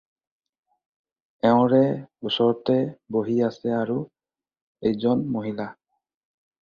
এওঁৰে ওচৰতে বহি আছে আৰু এজন মহিলা।